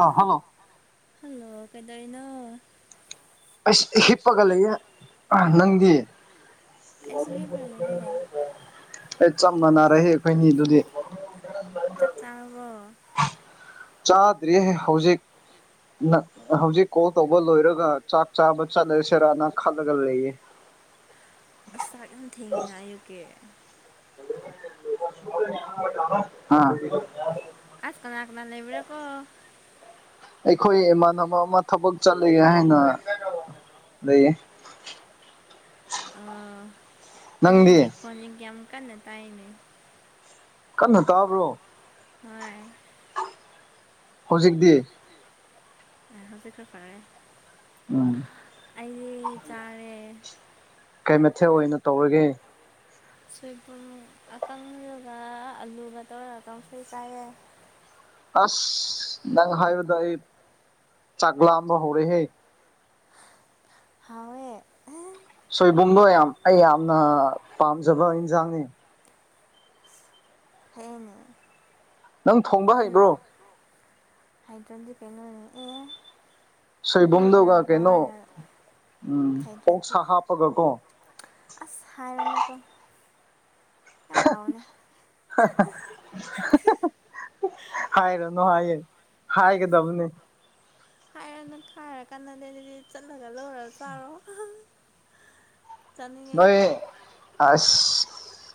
ꯑ hello hello ꯀꯦꯗꯔꯤꯅꯣ ꯑꯁ ꯍꯤꯞꯄꯒ ꯂꯩꯌꯦ ꯑ ꯅꯪꯒꯤ ꯑꯩꯁꯨ ꯍꯤꯞꯄꯒ ꯂꯩꯌꯦ ꯃ ꯑꯩ ꯆꯞ ꯃꯥꯟꯅꯔꯏ ꯑꯩꯈꯣꯏꯅꯤ ꯑꯗꯨꯗꯤ ꯋꯥ ꯆꯥꯗ꯭ꯔꯤꯌꯦ ꯍꯧꯖꯤꯛ ꯅ ꯍꯧꯖꯤꯛ ꯀꯣꯜ ꯇꯧꯕ ꯂꯣꯏꯔꯒ ꯆꯥꯛ ꯆꯥꯕ ꯆꯠꯂꯁꯦꯔꯥꯅ ꯈꯜꯂꯒ ꯂꯩꯌꯦ [unintelligible] ꯑꯁ ꯆꯥꯛ ꯌꯥꯝ ꯊꯦꯡꯉꯤꯅ ꯑꯌꯨꯛꯀꯤꯦ ꯑꯥ ꯑꯁ ꯀꯅꯥ ꯀꯅꯥ ꯂꯩꯕꯤꯔꯀꯣ ꯑꯩꯈꯣꯏ ꯏꯃꯥꯟꯅꯕ ꯑꯃ ꯊꯕꯛ ꯆꯠꯂꯒꯦ ꯍꯥꯏꯅ ꯂꯩꯌꯦ ꯑ ꯅꯪꯗꯤ ꯃꯅꯤꯡꯒꯤ ꯐꯣꯟꯣꯟꯂꯤꯒꯦ ꯑꯃꯨꯛ ꯀꯟꯅ ꯇꯥꯏꯅꯦ ꯀꯟꯅ ꯇꯥꯕ꯭ꯔꯣ ꯍꯣꯏ ꯍꯧꯖꯤꯦꯛ ꯗ ꯑ ꯍꯧꯖꯤꯛ ꯈꯔ ꯐꯔꯦ ꯎꯝ ꯑꯩꯗꯤ ꯆꯥꯔꯦ ꯀꯩ ꯃꯊꯦꯛ ꯑꯣꯏꯅ ꯇꯧꯔꯒꯦ ꯁꯣꯏꯕꯨꯝ ꯑꯀꯪꯒ ꯑꯂꯨꯒ ꯇꯧꯔꯒꯀ ꯁꯣꯏ ꯆꯥꯏꯑ ꯑꯁ ꯅꯪ ꯍꯥꯏꯕꯗ ꯑꯩ ꯆꯥꯛꯂꯥꯑꯝꯕ ꯍꯧꯔꯦꯍꯦ ꯍꯋꯦ ꯁꯣꯏꯕꯨꯝꯗꯣ ꯌꯥꯝ ꯑꯩ ꯌꯥꯝꯅ ꯄꯥꯝꯖꯕ ꯏꯟꯁꯥꯡꯅꯤ ꯍꯅꯦ ꯅꯪ ꯊꯣꯡꯕ ꯍꯩꯕ꯭ꯔꯣ ꯍꯥꯏꯗ꯭ꯔꯣꯟꯖꯤ ꯄꯦꯩꯅꯅꯤ ꯑꯦ ꯅꯨꯄꯤ ꯁꯣꯏꯕꯨꯝꯗꯨꯒ ꯑꯣꯏꯔꯒ ꯀꯩꯅꯣ ꯀꯃꯥꯏꯅ ꯎꯝ ꯑꯣꯛ ꯁꯥ ꯍꯥꯞꯄꯒ ꯀꯣ ꯑꯁꯥꯏꯔꯅꯀ ꯌꯥꯝ ꯍꯥꯎꯅ ꯍꯥꯏꯔꯅꯨ ꯍꯥꯏꯌꯦꯦ ꯍꯥꯏꯒꯗꯕꯅꯦ ꯍꯥꯏꯔꯅ ꯈꯥꯏꯔ ꯀꯥꯟꯟꯅꯗ ꯑꯗꯨꯗꯤ ꯆꯠꯂꯒ ꯂꯣꯏꯔ ꯆꯥꯔꯣ ꯆꯥꯅꯤꯡꯉꯦ ꯅꯣꯏ ꯑꯁ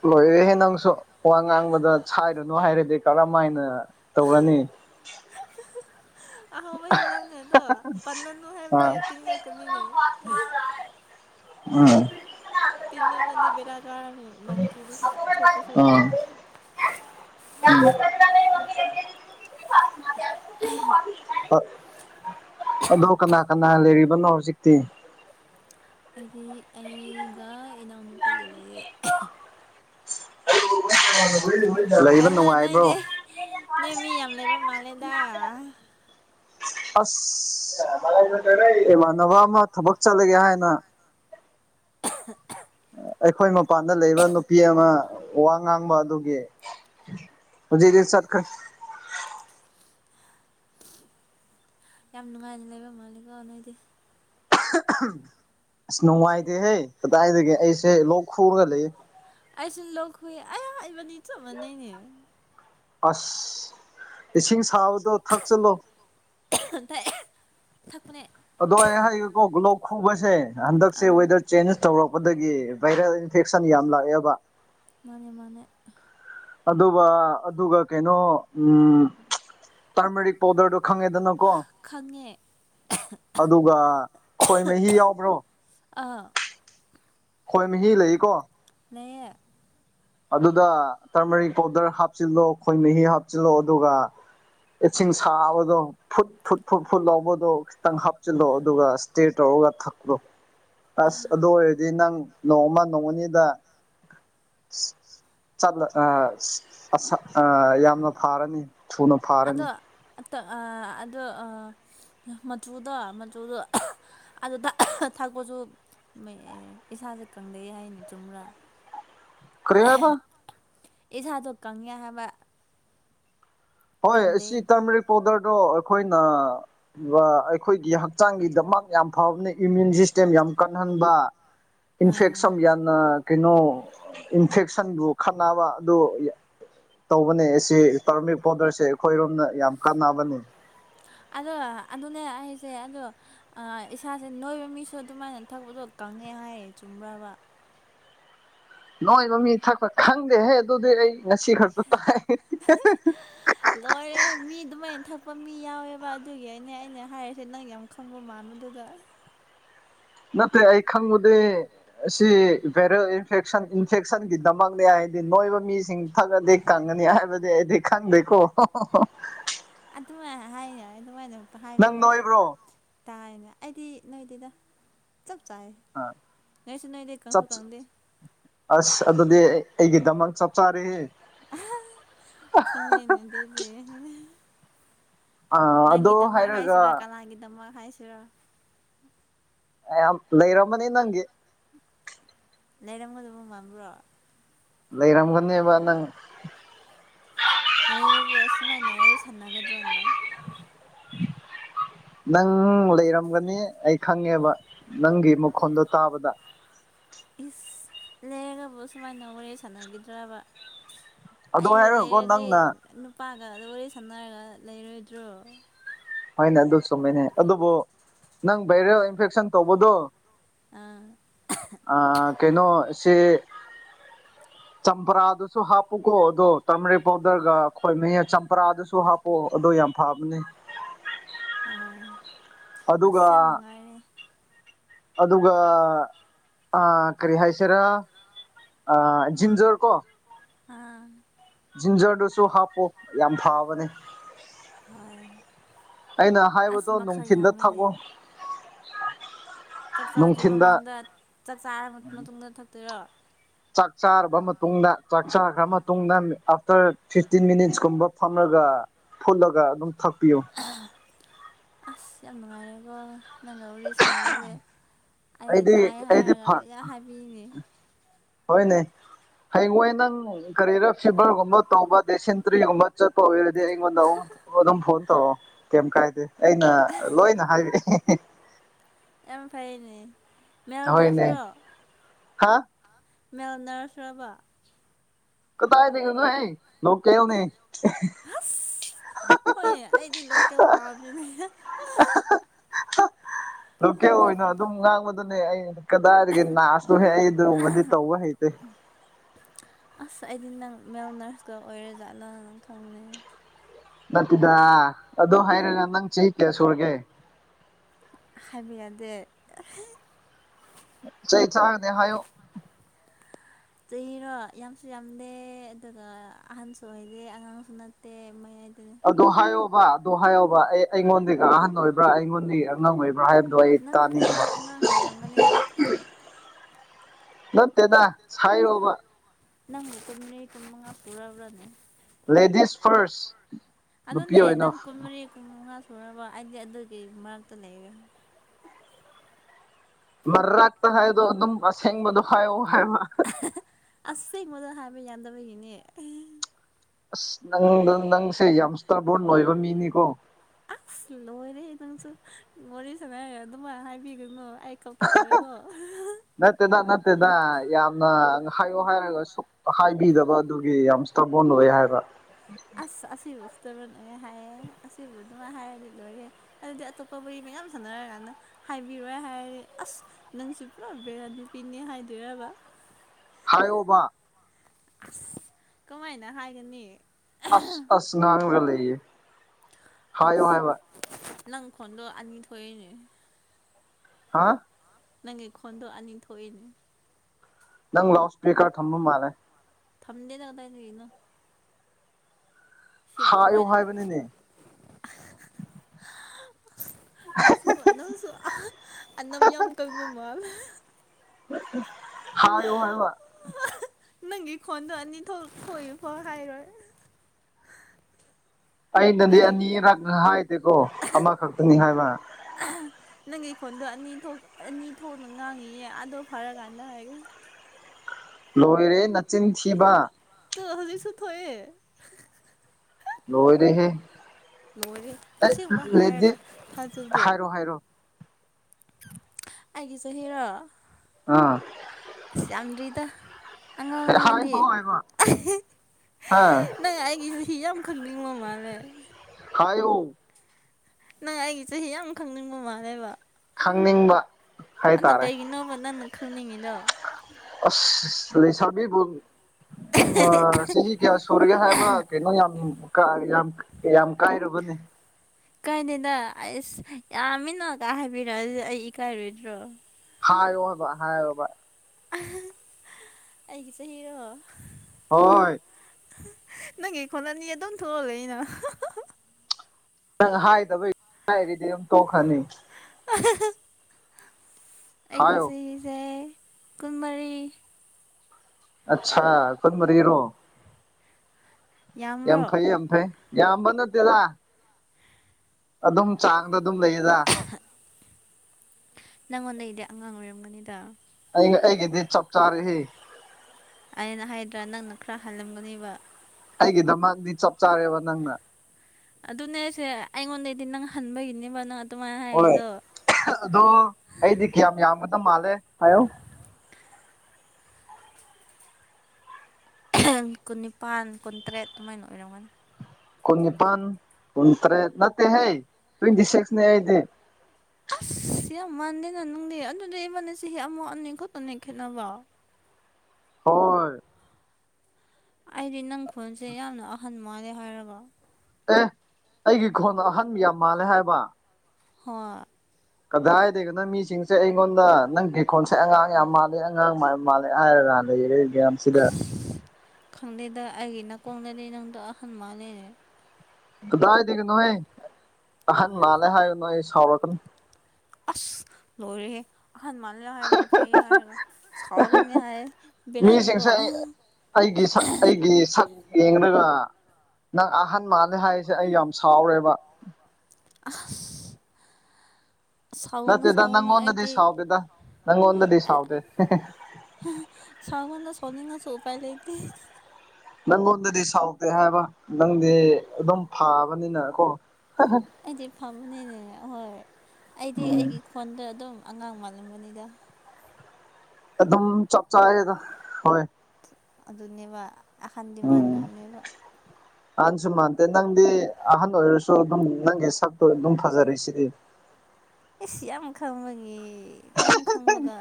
ꯂꯣꯏꯔ ꯍꯦ ꯅꯪꯁꯨ ꯋꯥ ꯉꯥꯡꯕꯗ ꯁꯥꯏꯔꯨꯅꯨ ꯍꯥꯏꯔꯗꯤ ꯀꯔꯝ ꯍꯥꯏꯅ ꯇꯧꯔꯅꯤ ꯑꯍꯕ ꯍꯤꯟꯖꯥꯡꯅꯦꯗꯣ ꯄꯜꯂꯅꯨꯡ ꯍꯥꯏꯕꯗꯦ ꯑꯥ ꯇꯤꯟꯉꯛꯀꯅꯤꯅꯦ ꯎꯝ ꯇꯤꯟꯣꯅꯗꯤ ꯕꯔꯥ ꯀꯥꯔꯅꯤ ꯅꯣꯡ ꯆꯨꯕꯁꯤꯗ ꯊꯣꯛꯄꯁꯨ ꯌꯥꯗ ꯌꯥꯝ ꯑꯗꯣ ꯀꯅꯥ ꯀꯅꯥ ꯂꯩꯔꯤꯕꯅꯣ ꯍꯧꯖꯤꯛꯇꯤ ꯍꯥꯏꯗꯤ ꯑꯩꯒ ꯏꯅꯥꯎꯃ ꯄꯤꯒꯜꯂꯤ [unintelligible] ꯂꯩꯕ ꯀꯥꯏꯩꯅꯣ ꯅꯨꯡꯉꯥꯏꯕ꯭ꯔꯣ ꯅꯪꯗꯤ ꯅꯣꯏ ꯃꯤ ꯌꯥꯝ ꯂꯩꯕ ꯃꯥꯜꯂꯦꯗ ꯑꯁ ꯑꯦꯕ ꯅꯕ ꯑꯃ ꯊꯕꯛ ꯆꯂꯒ ꯍꯥꯏꯅ [unintelligible] ꯑꯩꯈꯣꯏ ꯃꯄꯥꯟꯗ ꯂꯩꯕ ꯅꯨꯄꯤ ꯑꯃ ꯋꯥ ꯉꯥꯡꯕ ꯑꯗꯨꯒꯤ ꯍꯧꯖꯤꯛꯗꯤ ꯆꯠꯈ ꯌꯥꯝ ꯅꯨꯡꯉꯥꯏꯅ ꯂꯩꯕ ꯃꯥꯜꯂꯤꯀꯅꯗꯤ ꯑꯁ ꯅꯨꯡꯉꯥꯏꯇꯦꯍꯦ ꯀꯗꯥꯏꯗꯒꯤ ꯑꯩꯁꯦ ꯂꯣꯛ ꯈꯨꯔꯒ ꯂꯩ ꯑꯁꯅ ꯂ ꯍꯌꯦ ꯑꯕꯅꯤ ꯆ ꯃꯅꯦꯅꯦ ꯑꯁ ꯏꯁꯤꯡ ꯁꯥꯕꯗꯣ ꯊꯛꯆꯜꯂꯣ ꯊꯛꯄꯅꯦ ꯑꯗꯣ ꯑꯩ ꯍꯥꯏꯒꯦꯀꯣ ꯒ꯭ꯂꯧꯕ ꯈꯨꯕꯁꯦ ꯍꯟꯗꯛꯁꯦ ꯑꯥ ꯋꯦꯗꯔ ꯆꯦꯟꯖ ꯇꯧꯔꯛꯄ ꯑꯗꯒꯤ ꯚꯥꯏꯔꯦꯜ ꯏꯟꯐꯦꯛꯁꯟ ꯌꯥꯝ ꯂꯥꯛꯑꯦꯕ ꯃꯅꯦ ꯃꯅꯦ ꯑꯗꯨꯒ ꯑꯗꯨꯒ ꯀꯩꯅꯣ ꯎꯝ ꯇꯔꯃꯦꯔꯤꯛ ꯄꯥꯎꯗꯔꯗꯨ ꯈꯪꯉꯦꯗꯅꯣꯀꯣ ꯈꯪꯉꯦ ꯑꯗꯨꯒ ꯈꯣꯏ ꯃꯍꯤ ꯌꯥꯎꯕ꯭ꯔꯣ ꯑꯥ ꯍꯣꯏ ꯃꯤꯤ ꯂꯩꯀꯣ ꯍ꯭ꯂꯦꯛ ꯑꯗꯨꯗ ꯇꯔꯃꯔꯤꯛ ꯄꯥꯎꯗꯔ ꯍꯥꯞꯆꯤꯜꯂꯣ ꯈꯣꯏ ꯃꯍꯤ ꯍꯥꯞꯆꯤꯜꯂꯣ ꯑꯗꯨꯒ ꯏꯁꯤꯡ ꯁꯥꯕꯗꯣ ꯐꯨꯠ ꯐꯨꯠ ꯐꯨꯠ ꯐꯨꯠ ꯂꯥꯎꯧꯕꯗꯣ ꯈꯤꯇꯪ ꯍꯥꯞꯆꯤꯜꯂꯣ ꯑꯗꯨꯒ ꯏꯁꯇꯦ ꯇꯧꯔ ꯑꯣꯒꯗ ꯊꯥꯛꯂꯣ ꯑꯁ ꯑꯗꯨ ꯑꯣꯏꯔꯗꯤ ꯅꯪ ꯅꯣꯡꯃ ꯅꯣꯡ ꯑꯅꯤꯗ ꯂ ꯌꯥꯝꯅ ꯐꯥꯔꯅꯤ ꯊꯨꯅ ꯑꯗꯣ ꯐꯥꯔꯅꯤ ꯑꯗꯣ ꯃꯆꯨꯗꯣ ꯃꯆꯨꯗꯣ ꯑꯗꯨ ꯊꯛꯄꯁꯨ ꯑꯦ ꯏꯁꯥꯁꯦ ꯀꯪꯗꯩ ꯍꯥꯏꯅꯤ ꯆꯨꯝꯕ꯭ꯔꯥ ꯀꯔꯤ ꯍꯥꯏꯕ ꯏꯁꯥꯗꯣ ꯀꯪꯉꯦ ꯍꯥꯏꯕ ꯍ ꯁꯤ ꯀꯪꯗꯩ ꯇꯔꯃꯔꯛ ꯄꯧꯗ ꯑꯗꯣ ꯑꯩꯈꯣꯏꯅ ꯑꯩꯈꯣꯏꯒꯤ ꯍꯛꯆꯥꯡꯒꯤꯗꯃꯛ ꯌꯥꯝ ꯐꯕꯅ ꯏꯃ꯭ꯌꯨꯟ ꯁꯤꯁꯇꯦꯝ ꯌꯥꯝ ꯑꯥ ꯀꯟꯍꯟꯕꯟꯦꯛꯁ ꯌꯥꯝꯅ ꯀꯩꯅꯣ ꯏꯟꯐꯦꯛꯁꯟꯕꯨ ꯈꯠꯅꯕ ꯑꯗꯨ ꯇꯧꯕꯅꯦ ꯑꯁꯤ ꯇꯔꯃꯤꯛ ꯄꯥꯎꯗꯔꯁꯦ ꯑꯩꯈꯣꯏꯔꯣꯝꯅ ꯌꯥꯝ ꯀꯥꯟꯅꯕꯅꯤ ꯑꯗꯣ ꯑꯗꯨꯅꯦ ꯑꯩꯁꯦ ꯑꯗꯣ ꯏꯁꯥꯁꯦ ꯅꯣꯏꯕ ꯃꯤꯁꯨ ꯑꯗꯨꯃꯥꯏꯅ ꯊꯛꯄꯗꯣ ꯐꯪꯉꯦ ꯍꯥꯏꯌꯦ ꯆꯨꯝꯕ꯭ꯔꯕ ꯅꯣꯏ ꯃꯃꯤ ꯊꯛꯄ ꯈꯪꯗꯦꯍꯦ ꯑꯗꯨꯗꯤ ꯑꯩ ꯅꯁꯤ ꯈꯔꯄ ꯇꯥꯏ ꯑꯄ ꯃꯤ ꯌꯥꯎꯋꯦꯕ ꯑꯗꯨꯒꯤ ꯑꯅꯦ ꯑꯩꯅ ꯍꯥꯏꯔꯤꯁꯦ ꯅꯪ ꯌꯥꯝ ꯈꯪꯕ ꯃꯥꯟꯕꯗꯨꯗ ꯅꯠꯇꯦ ꯑꯩ ꯈꯪꯕꯗꯤ ꯑꯁꯤ ꯚꯥꯏꯔꯦꯜꯁꯟ ꯏꯟꯐꯦꯛꯁꯟꯒꯤꯗꯃꯛꯅꯦ ꯍꯥꯏꯗꯤ ꯅꯣꯏꯕ ꯃꯤꯁꯤꯡ ꯊꯛꯑꯗꯤ ꯀꯪꯉꯅꯤ ꯍꯥꯏꯕꯗꯤ ꯑꯩ ꯗꯤ ꯈꯪꯗꯀꯣ ꯑꯗꯨꯃꯥꯏꯅ ꯍꯥꯏꯅꯤ ꯑꯗꯨꯃꯥꯏꯅ ꯍꯥꯏꯕꯗꯣ ꯅꯪ ꯑꯩ ꯅꯣꯏꯕ꯭ꯔꯣ ꯇꯥꯏꯅꯦ ꯑꯩꯗꯤ ꯅꯅꯥꯗꯤꯗ ꯆꯞ ꯆꯥꯦ ꯉꯅꯥꯏꯁꯨ ꯅꯅꯥꯏꯗꯦ ꯀꯪꯁꯨ ꯆꯞ ꯀꯪꯗꯦ ꯑꯁ ꯑꯗꯨꯗꯤ ꯑꯩꯒꯤ ꯗꯃꯥꯡ ꯆꯞ ꯆꯥꯔꯦꯦ ꯐꯪꯗꯦ ꯃ ꯗꯒ ꯑꯥ ꯑꯗꯨ ꯅꯪꯒꯤꯗꯃꯛ ꯍꯥꯏꯔꯒ ꯍꯥꯏꯁꯤꯔꯥ ꯀꯂꯥꯒꯤꯗꯃꯛ ꯍꯥꯏꯁꯤꯔꯥ ꯌꯥꯝ ꯂꯩꯔꯝꯕꯅꯤ ꯅꯪꯒꯤꯦ ꯂꯩꯔꯝꯒꯗꯕ ꯃꯝꯕ꯭ꯔꯣ ꯂꯩꯔꯝꯒꯅꯦꯕ ꯅꯪ ꯑꯩ ꯔꯔꯕ ꯁꯃꯥꯏꯅ ꯋꯥꯔꯤꯔꯦ ꯁꯥꯟꯅꯒꯗ꯭ꯔꯣꯅꯦ ꯅꯪ ꯂꯩꯔꯝꯒꯅꯤ ꯑꯩ ꯈꯪꯉꯦꯕ ꯅꯪꯒꯤ ꯃꯈꯣꯟꯗꯣ ꯇꯥꯕꯗ ꯏꯁ ꯂꯩꯔꯒꯕꯨ ꯁꯨꯃꯥꯏꯅ ꯋꯥꯔꯤ ꯁꯥꯟꯅꯈꯤꯗ꯭ꯔꯕ ꯑꯗꯨ ꯑꯩꯁꯨ ꯍꯥꯏꯔꯒꯀꯣ ꯂꯩꯔꯗꯤ ꯅꯪꯅ ꯅꯨꯄꯥꯒ ꯋꯥꯔꯤ ꯁꯥꯟꯅꯔꯒ ꯂꯩꯔꯣꯏꯗ꯭ꯔꯣ ꯍꯣꯏꯅꯦ ꯑꯗꯨ ꯆꯨꯝꯃꯦꯅꯦ ꯑꯗꯨꯕꯨ ꯅꯪ ꯚꯥꯏꯔꯦꯜ ꯏꯟꯐꯦꯛꯁꯟ ꯇꯧꯕꯗꯣ ꯑꯥ ꯑ ꯀꯩꯅꯣ ꯁꯤ ꯆꯝꯄꯔꯥꯗꯨꯁꯨ ꯍꯥꯞꯄꯨꯀꯣ ꯑꯗꯣ ꯇꯃꯔꯤ ꯄꯥꯎꯗꯔꯒ ꯑꯩꯈꯣꯏ ꯃꯤ ꯆꯝꯄꯔꯥꯗꯨꯁꯨ ꯍꯥꯞꯄꯨ ꯑꯗꯣ ꯌꯥꯝ ꯐꯥꯕꯅꯦ ꯍ ꯑꯦ ꯅꯨꯡꯉꯥꯏꯅꯦꯦ ꯑꯗꯨꯒ ꯀꯔꯤ ꯍꯥꯏꯁꯤꯔꯥ ꯑ ꯖꯤꯟꯖꯔ ꯀꯣ ꯑꯥ ꯖꯤꯟꯖꯔꯗꯨꯁꯨ ꯍꯥꯞꯄꯣ ꯌꯥꯝ ꯐꯥꯕꯅꯦ ꯍ ꯑꯩꯅ ꯍꯥꯏꯕꯗꯣ ꯅꯨꯡꯊꯤꯜꯗ ꯊꯛꯑꯣ ꯌꯥꯝꯃꯦꯅꯦ ꯆꯥꯛꯆꯥꯗꯨꯏ ꯅꯨꯡꯊꯤꯟꯗ ꯃꯃꯥꯡꯗ ꯆꯥꯛꯆꯥ ꯍꯥꯏ ꯃꯇꯨꯡꯗ ꯊꯛꯇꯣꯏꯔꯣ ꯆꯥꯛ ꯆꯥꯔꯕ ꯃꯇꯨꯡꯗ ꯆꯥꯛ ꯆꯥꯈ꯭ꯔ ꯃꯇꯨꯡꯗ ꯑꯥꯐꯇꯔ ꯐꯤꯐꯇꯤꯟ ꯃꯤꯅꯤꯠꯁꯀꯨꯝꯕ ꯐꯝꯂꯒ ꯐꯨꯜꯂꯒ ꯑꯗꯨꯝ ꯊꯛꯄꯤꯌꯨ ꯑꯁ ꯌꯥꯝ ꯅꯨꯡꯉꯥꯏꯔꯦꯀꯣ ꯅꯪ ꯉꯧꯔꯤꯁꯦ ꯁꯅꯕꯁꯦ ꯑꯩꯅ ꯑꯩꯗꯤ ꯅꯥꯏ ꯑꯩꯗꯤ ꯍꯥꯏꯔꯒ ꯐ ꯌꯥꯝ ꯍꯥꯏꯕꯤꯔꯤꯅꯦ ꯍꯣꯏꯅꯦ ꯍꯌꯦꯡꯣꯏ ꯅꯪ ꯀꯔꯤꯔ ꯐꯤꯚꯔꯒꯨꯝꯕ ꯇꯧꯕ ꯗꯦꯁꯦꯟꯇ꯭ꯔꯤꯒꯨꯝꯕ ꯆꯠꯄ ꯑꯣꯏꯔ ꯌꯦꯣꯟ ꯐꯣꯟ ꯀꯩ ꯀꯥꯏꯗꯦ ꯑꯩꯅ ꯂꯣꯏꯅ ꯍꯥꯏꯔꯏ ꯐꯅꯦ ꯃꯌꯥꯝꯅꯁꯨ꯭ꯔꯣ ꯍꯥꯥ ꯃꯦꯜꯅꯔꯈ꯭ꯔꯕ ꯀꯗꯥꯏꯅꯤ ꯑꯣꯅꯣ ꯍꯥꯏ ꯂ ꯍꯧꯅꯦ ꯑꯁ ꯍꯣꯏ ꯑꯩꯗꯤ ꯂꯣꯀꯦꯜ ꯄꯥꯝꯃꯤꯅꯦ ꯂꯣꯀꯦꯜ ꯑꯣꯏꯅ ꯑꯗꯨꯝ ꯉꯥꯡꯕꯗꯨꯅꯦ ꯑꯩ ꯀꯗꯥꯏꯗꯒꯤ ꯅꯥꯁꯨꯇ ꯍꯦꯛ ꯑꯩ ꯑꯗꯨꯃꯗꯤ ꯇꯧꯕ ꯍꯩꯇꯦ ꯑꯁ ꯑꯩꯗꯤ ꯅꯪ ꯃꯦꯜ ꯅꯔꯁꯀ ꯑꯣꯏꯔꯦꯖꯥꯠꯅ ꯅꯪ ꯈꯪꯅꯩ ꯅꯠꯇꯤꯗꯥ ꯑꯗꯣ ꯍꯥꯏꯔꯒ ꯅꯪ ꯆ ꯀꯦ ꯁꯣꯔꯒꯦ ꯍꯥꯏꯕ ꯌꯥꯗꯦ ꯆꯍꯤ ꯊꯥꯒꯗ ꯍꯥꯏꯣ ꯆꯔꯣ ꯌꯥꯝꯁꯨ ꯌꯥꯝꯗꯦ ꯑꯗꯨꯒ ꯑꯍꯟꯁꯨ ꯑꯣꯏꯗꯦ ꯑꯉꯥꯡꯁꯨ ꯅꯠꯇꯦ ꯃꯌꯥ ꯑꯗꯣ ꯍꯥꯏꯌꯣꯕ ꯑꯣ ꯍꯥꯏꯌꯣꯕ ꯑꯩ ꯑꯩꯉꯣꯟꯗꯒꯤꯒ ꯑꯍꯟ ꯑꯣꯏꯕ꯭ꯔꯥ ꯑꯩꯉꯣꯟꯗꯒꯤ ꯑꯉꯥꯡ ꯑꯣꯏꯕ꯭ꯔꯥ ꯍꯥꯏꯕꯗꯣ ꯑꯩ ꯅꯪꯉꯣꯟꯗ ꯇꯥꯅꯤꯡꯕ ꯏꯗꯤ ꯑꯉꯥꯡ ꯑꯣꯏꯔꯝꯒꯅꯤꯗ ꯅꯠꯇꯦꯗꯥ ꯁꯥꯏꯔꯣꯕ ꯅꯪ ꯀꯨꯝꯩ ꯀꯨꯝꯃꯉꯥ ꯄꯨꯔꯕꯨꯔꯥꯅꯤ ꯂꯦꯗꯤꯁ ꯐꯥꯔꯁ ꯅꯨꯄꯤ ꯑꯣꯏꯅ ꯊꯔꯕ ꯑꯩꯗꯤ ꯑꯗꯨꯒꯤ ꯃꯔꯛꯇ ꯂꯩꯔꯦ ꯃꯔꯥꯛꯇ ꯍꯥꯏ ꯑꯗꯨꯣ ꯑꯗꯨꯝꯁ ꯍꯦꯡꯡ ꯃꯗꯨ ꯍꯥꯏꯥꯏ ꯑꯦꯡꯕꯗ ꯍꯥꯏꯕ ꯌꯥꯗꯕꯒꯤꯅꯦ ꯑꯁ ꯅꯪꯗ ꯅꯪꯁꯦ ꯌꯥꯝ ꯏꯁꯇꯥꯔꯕꯣꯔꯟ ꯑꯣꯏꯕ ꯃꯤꯅꯤꯀꯣ ꯑꯁ ꯂꯣꯏꯔꯦ ꯅꯪꯁꯨ ꯃꯣꯔꯦ ꯁꯉꯥꯏꯔꯦ ꯑꯗꯨꯃ ꯍꯥꯏꯕꯤꯒꯅꯨ ꯑꯀ ꯀꯇꯕꯗꯣ ꯅꯠꯇꯦꯗ ꯅꯠꯇꯦꯗ ꯌꯥꯝꯅ ꯍꯥꯏꯌꯣ ꯍꯥꯏꯔꯒ ꯍꯥꯏꯕꯤꯗꯕ ꯑꯗꯨꯒꯤ ꯌꯥꯝꯇꯕꯣꯟꯗꯣꯛꯑꯦ ꯍꯥꯏꯕ ꯑꯁ ꯑꯁꯤ ꯁ ꯇꯔ ꯅꯦ ꯍꯦ ꯑ ꯅ ꯍꯗꯤ ꯂꯣꯏꯦ ꯑꯗꯨ ꯑꯇꯣꯞꯄꯕꯨ ꯌꯥꯝ ꯁꯥꯟꯅꯔꯀꯥꯟꯅ ꯍꯥꯏꯕꯤꯔꯣꯏ ꯍꯥꯏꯔꯦ ꯑꯁ ꯅꯪꯁꯤ ꯄꯨꯂꯥ ꯕꯦꯔꯥꯠ ꯅꯨꯄꯤꯅꯦ ꯍꯥꯏꯗꯣꯏꯔꯕ ꯍꯥꯏ ꯑꯣꯕ ꯀꯃꯥꯏꯅ ꯍꯥꯏꯒꯅꯤ ꯍ ꯋꯥ ꯍꯥꯏ ꯋꯥ ꯅꯪꯈꯣꯟꯗꯣ ꯑꯅꯤ ꯊꯣꯛꯑꯏꯅꯦ ꯍꯥ ꯅꯪ ꯈꯣꯟꯗ ꯑꯅꯤ ꯊꯣꯛꯑꯅꯦ ꯅꯪ ꯂꯥꯎ ꯏꯁꯄꯤꯀꯔ ꯊꯝꯝꯕ ꯃꯥꯅꯦꯦ ꯊꯝꯗꯦ ꯂꯗ ꯀꯅ ꯍꯥꯏꯌꯨ ꯀꯃꯥꯏꯅ ꯍꯥꯏꯕꯅꯤꯅꯦ ꯪꯁꯨ ꯅꯪꯁꯨ ꯑꯅꯝ ꯌꯥꯝ ꯀꯜꯕꯃꯜ ꯍꯥꯥꯎ ꯌ ꯍꯥꯏ ꯋꯥ ꯅꯪꯒꯤ ꯈꯣꯟꯗꯣ ꯑꯅꯤ ꯊꯣꯛ ꯊꯣꯛꯕꯣ ꯍꯥꯏꯔꯣꯏ ꯑꯩꯅꯗꯤ ꯅꯪꯒꯤ ꯑꯅꯤꯔꯛ ꯍꯥꯏꯗꯦꯀꯣ ꯑꯃꯈꯛꯇꯅꯤ ꯍꯥꯏꯕ ꯅꯪꯒꯤ ꯈꯣꯟꯗꯣ ꯑꯅꯤ ꯊꯣꯛ ꯑꯅꯤ ꯊꯣꯛꯅ ꯉꯥꯡꯉꯤꯌꯦ ꯑꯗꯣ ꯐꯔꯀꯥꯟꯗ ꯍꯥꯏꯒꯦ ꯂꯣꯏꯔꯦ ꯅꯆꯤꯟ ꯊꯤꯕ ꯇ ꯍꯧꯖꯤꯁꯨ ꯊꯑ ꯂꯣꯏꯔꯤꯍꯦ ꯅꯣꯏꯔ ꯑꯁꯤꯒꯨꯝꯕ ꯍꯥꯏꯔꯒ ꯐꯖꯗꯦ ꯍꯥꯏꯔꯣ ꯍꯥꯏꯔꯣ ꯑꯩꯒꯤꯁꯨ ꯍꯔꯣ ꯑꯥ ꯑꯁ ꯌꯥꯝꯗ꯭ꯔꯤꯗ ꯑꯉꯥꯡꯉꯗꯤ ꯍꯥꯏꯌꯣ ꯍꯥꯏꯕ ꯑꯥ ꯅꯪ ꯑꯩꯒꯤꯁꯦ ꯍ ꯌꯥꯝ ꯈꯪꯅꯤꯡꯕ ꯃꯃꯥꯜꯅꯦꯦ ꯈꯣ ꯅꯪ ꯑꯩꯒꯤ ꯆꯍꯤ ꯌꯥꯝ ꯈꯪꯅꯤꯡꯕ ꯃꯥꯜꯂꯦꯕ ꯈꯪꯅꯤꯡꯕ ꯑꯗ ꯍꯥꯏꯇꯥꯔꯦ ꯀꯩꯒꯤꯅꯣꯕ ꯅꯪꯅ ꯈꯪꯅꯤꯡꯉꯤꯗꯣ ꯑ ꯂꯩꯁꯥꯕꯤꯣ ꯑ ꯁꯤ ꯀꯌꯥ ꯁꯨꯔꯌꯥ ꯍꯥꯏꯕ ꯀꯩꯅꯅꯣ ꯌꯥꯝ ꯀ ꯌꯥꯝ ꯌꯥꯝ ꯀꯥꯏꯔꯨꯕꯅꯤ ꯀꯥꯏꯅꯤꯗ ꯑꯁ ꯌꯥꯝꯃꯤꯅꯇ ꯍꯥꯏꯕꯤꯔꯛꯑꯁꯦ ꯑꯩ ꯏꯀꯥꯏꯔꯨꯣꯏꯗ꯭ꯔꯣ ꯍꯥꯏ ꯍꯥꯏꯕ ꯍꯥꯏꯕ ꯑꯩꯒꯤ ꯆꯍꯤꯔꯣ ꯍꯣꯏ ꯅꯪꯒꯤ ꯈꯣꯂꯅꯤ ꯑꯗꯨꯝ ꯊꯣꯛ ꯂꯩꯅ ꯅꯪ ꯍꯥꯏꯗꯕ ꯍꯥꯏꯔꯤꯗꯤ ꯑꯗꯨꯝ ꯇꯣꯛꯈꯅꯤ [inaudible] ꯑꯩꯒꯤ ꯍꯥꯏꯌꯣ ꯆꯍꯤꯁꯦ ꯀꯨꯟꯃꯔꯤ ꯑꯆꯥꯥ ꯈꯨꯗ ꯃꯖꯤꯔꯣ ꯌꯦ ꯌꯥꯝꯕ꯭ꯔꯣ ꯐꯩ ꯌꯥꯝꯐꯩ ꯌꯥꯝꯝꯕꯟꯠꯇꯦꯂ ꯑꯗꯨꯝ ꯆꯥꯡꯗ ꯑꯗꯨꯝ ꯂꯩꯌꯦꯖꯥ ꯅꯪꯉꯣꯟꯗꯩꯗꯤ ꯑꯉꯥꯡ ꯑꯣꯏꯔꯝꯒꯅꯤꯗ ꯑꯩꯒꯤꯗꯤ ꯆꯞ ꯆꯥꯔ ꯑꯩꯅ ꯍꯥꯏꯗ꯭ꯔꯥ ꯅꯪꯅ ꯈꯔ ꯍꯥꯜꯂꯝꯒꯅꯦꯕ ꯑꯩꯒꯤꯗꯃꯗꯤ ꯆꯞ ꯆꯥꯔꯦꯕ ꯅꯪꯅ ꯑꯗꯨꯅꯦꯁꯦ ꯑꯩꯉꯣꯟꯗꯩꯗꯤ ꯅꯪ ꯍꯟꯕꯒꯤꯅꯦꯕ ꯅꯪ ꯑꯗꯨꯃꯥꯏꯅ ꯍꯣꯏ ꯍꯥꯏꯔꯤꯗꯣ ꯑꯗꯣ ꯑꯩꯗꯤ ꯀꯌꯥꯝ ꯌꯥꯝꯒꯗ ꯃꯥꯜꯂꯦ ꯍꯥꯏꯌꯣ ꯀꯨꯟꯅꯤꯄꯥꯜ ꯀꯨꯟꯇꯔꯦꯠ ꯑꯗꯨꯃꯥꯏꯅ ꯑꯣꯏꯔꯝꯒꯅꯤ ꯀꯨꯟꯅꯤꯄꯥꯟ ꯀꯨꯟ ꯇꯔꯦꯠ ꯅꯠꯇꯦ ꯍꯦ ꯇ꯭ꯋꯦꯟꯇꯤ ꯁꯤꯛꯁꯅꯦ ꯍꯥꯏꯗꯤ [inaudible] ꯑꯁ ꯌꯥꯝ ꯃꯥꯟꯗꯦꯅ ꯅꯨꯡꯗꯦ ꯑꯗꯨꯗꯤ ꯏꯃꯅ ꯆꯍꯤ ꯑꯃꯛꯑꯅꯤ ꯈꯣꯠꯇꯅꯤ ꯈꯦꯠꯅꯕ ꯍꯣꯏ ꯑꯩꯗꯤ ꯅꯪ ꯈꯣꯟꯁꯦ ꯌꯥꯝꯅ ꯑꯍꯟ ꯃꯥꯜꯂꯦ ꯍꯥꯏꯔꯕ ꯑꯦ ꯑꯩꯒꯤ ꯈꯣꯟ ꯑꯍꯟ ꯌꯥꯝ ꯃꯥꯜꯂꯦ ꯍꯥꯏꯕ ꯍ ꯀꯗꯥꯏꯗꯦꯣ ꯅꯪ ꯃꯤꯁꯤꯡꯁꯦ ꯑꯩꯉꯣꯟꯗ ꯅꯪ ꯀꯀꯣꯟꯁꯦ ꯑꯉꯥꯡ ꯌꯥꯝ ꯃꯥꯜꯂꯦ ꯑꯉꯥꯡ ꯃꯥꯜꯂꯦ ꯍꯥꯏꯔꯒ ꯑ ꯂꯩ ꯈꯪꯗꯦꯗ ꯑꯩꯒꯤ ꯅꯥꯀꯣꯡꯅꯗꯤ ꯅꯪꯗꯣ ꯑꯍꯜ ꯃꯥꯜꯂꯔꯦ ꯀꯗꯥꯏꯗꯒꯅꯣꯍꯣꯏ ꯑꯍꯟ ꯃꯥꯜꯂꯦ ꯍꯥꯏꯒꯨꯅꯣ ꯑꯩ ꯁꯥꯎꯔꯛꯀꯅ ꯑꯁ ꯂꯣꯏꯔꯦ ꯑꯍꯟ ꯃꯥꯜꯂ ꯍꯥꯏꯕꯅꯣ ꯐꯩ ꯍꯥꯏꯔꯒ ꯁꯥꯎꯔꯒꯅꯤ ꯍꯥꯏ ꯕꯤꯔꯌꯥꯅꯤꯀꯣ ꯃꯤꯁꯤꯡꯁꯦ ꯑꯩ ꯑꯩꯒꯤ ꯁ ꯑꯩꯒꯤ ꯁ ꯌꯦꯡꯒ ꯅꯪ ꯑꯍꯟ ꯃꯥꯜꯂꯦ ꯍꯥꯏꯔꯤꯁꯦ ꯑꯩ ꯌꯥꯝ ꯁꯥꯎꯔꯦꯕ ꯑ ꯅ ꯄꯦꯗ ꯅꯪꯉꯣꯟꯟꯗꯗꯤ ꯁꯥꯥꯎ ꯄꯦꯗ ꯅꯪꯉꯣꯣꯟꯗꯗꯤ ꯁꯥꯥꯎꯗ ꯁꯃꯗ ꯁꯅꯤ ꯉꯁꯨ ꯎꯥꯏ ꯂꯩꯇ ꯅꯪꯉꯣꯟꯗꯗꯤ ꯁꯥꯎꯗꯦ ꯍꯥꯏꯕ ꯅꯪꯗꯤ ꯑꯗꯨꯝ ꯐꯕꯅꯤꯅ ꯀꯣ ꯑ ꯐꯃꯅꯤꯅꯦ ꯑꯍꯣꯏ ꯑꯩꯗꯤ ꯎꯝ ꯑꯩꯒꯤ ꯈꯣꯟꯗ ꯑꯗꯨꯝ ꯑꯉꯥꯡ ꯃꯥꯜꯂꯝꯒꯅꯤꯗ ꯑꯦꯝ ꯆꯞ ꯆꯥ ꯍꯣꯏ ꯑꯗꯨꯅꯦꯕ ꯑꯍꯟꯗꯤ ꯎꯝ ꯃꯥꯟꯗꯕꯅꯦꯕ ꯑꯍꯟꯁꯨ ꯃꯥꯟꯇꯦ ꯅꯪꯗꯤ ꯑꯍꯟ ꯑꯣꯏꯔꯁꯨ ꯑꯗꯨꯝ ꯅꯪꯒꯤ ꯁꯛꯇꯨ ꯑꯗꯨꯝ ꯐꯖꯔꯛꯏꯁꯤꯗꯤ ꯎ ꯁꯤ ꯌꯥꯝ ꯈꯪꯕꯉꯦ ꯌꯥꯝ ꯈꯪꯕꯒ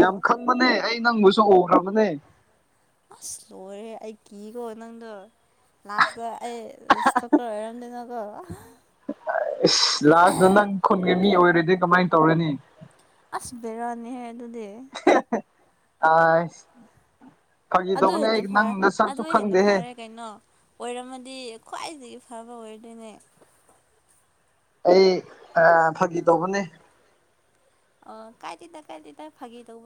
ꯌꯥꯝ ꯈꯪꯕꯅꯦ ꯑꯩ ꯅꯪꯕꯨꯁꯨ ꯎꯔꯕꯅꯦ ꯑꯁ ꯂꯣꯏꯔꯦ ꯑꯩ ꯀꯤꯀꯣ ꯅꯪꯗꯣ ꯂꯥꯁꯇ ꯑꯩ ꯑꯣꯏꯔꯅ ꯀ ꯏꯁ ꯂꯥꯁꯇ ꯅꯪ ꯈꯨꯟꯒꯤ ꯃꯤ ꯑꯣꯏꯔꯗꯤ ꯀꯃꯥꯏꯅ ꯇꯧꯔꯅꯤ ꯑꯁ ꯕꯦꯔꯥꯅꯤꯍꯦ ꯑꯗꯨꯗꯤ ꯑ ꯑꯗꯨ ꯍꯦꯟꯅ ꯐꯔꯦ ꯑꯗꯨ ꯍꯦꯟꯅ ꯐꯔꯦ ꯀꯩꯅꯣ ꯑꯣꯏꯔꯝꯃꯗꯤ ꯈ꯭ꯋꯥꯏꯗꯒꯤ ꯐꯕ ꯑꯣꯏꯗꯣꯏꯅꯦ ꯑꯩ ꯐꯥꯒꯤ ꯇꯧꯕꯅꯦ ꯑꯣ ꯀꯥꯏ ꯇꯗ ꯀꯥꯏ ꯇꯗ ꯐꯥꯤ ꯇꯧꯕ